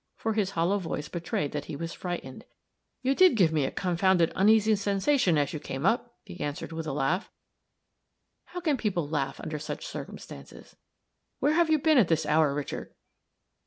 for his hollow voice betrayed that he was frightened. "You did give me a confounded uneasy sensation as you came up," he answered with a laugh. How can people laugh under such circumstances? "Where have you been at this hour, Richard?"